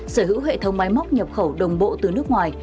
sở hữu hệ thống máy móc nhập khẩu đồng bộ từ nước ngoài